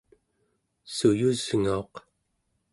suyusngauq